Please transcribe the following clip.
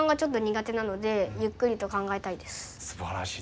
すばらしい。